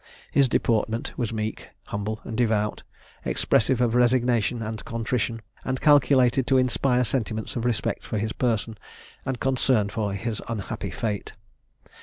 His deportment was meek, humble, and devout, expressive of resignation and contrition, and calculated to inspire sentiments of respect for his person, and concern for his unhappy fate.